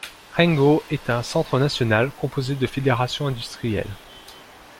Rengō est un centre national, composé de fédérations industrielles.